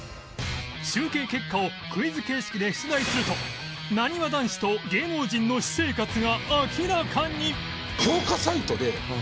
集計結果をクイズ形式で出題するとなにわ男子と芸能人の私生活が明らかに！